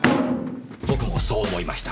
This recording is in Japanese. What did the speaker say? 僕もそう思いました。